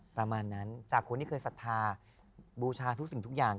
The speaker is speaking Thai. ประมาณนั้นจากคนที่เคยศรัทธาบูชาทุกสิ่งทุกอย่าง